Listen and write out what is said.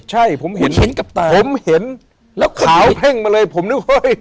ใช่ผมเห็นเห็นกับตาผมเห็นแล้วขาวเพ่งมาเลยผมนึกเฮ้ย